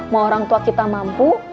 mau orang tua kita mampu